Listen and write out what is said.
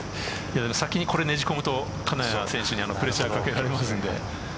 先にこれねじ込むと金谷選手にプレッシャーを掛けられますので。